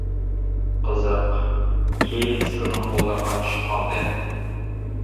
قىزىق، كېيىن سىلىنىڭ قوللىرىغا چۈشۈپ قالدى.